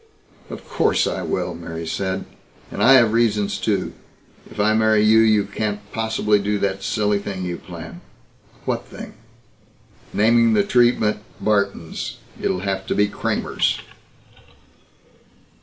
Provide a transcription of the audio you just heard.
"Of course I will," Mary said. "And I have reasons, too. If I marry you, you can't possibly do that silly thing you plan." "What thing?" "Naming the treatment Barton's. It'll have to be Kramer's."